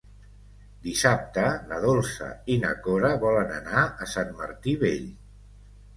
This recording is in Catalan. Dissabte na Dolça i na Cora volen anar a Sant Martí Vell.